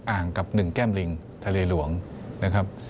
อ่างกับ๑แก้มลิงทะเลหลวงนะครับ